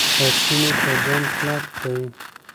حسینو په ځان کلک دی.